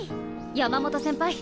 山本先輩。